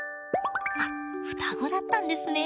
あっ双子だったんですね！